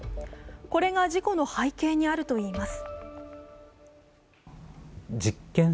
これが事故の背景にあるといいます。